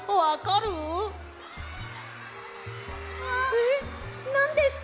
えっなんですか？